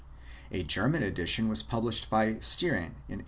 A German edition was published by Stieren in 1853.